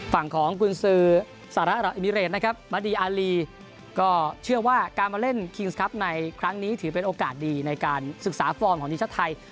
ฝั่งของกุญสือสหรัฐอิมิเรตนะครับมาดีอารีก็เชื่อว่าการมาเล่นคิงส์ครับในครั้งนี้ถือเป็นโอกาสดีในการศึกษาฟอร์มของทีมชาติไทย